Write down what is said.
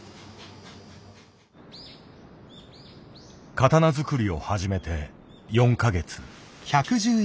刀作りを始めて４か月。